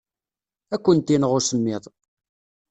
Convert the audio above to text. Ad kent-ineɣ usemmiḍ.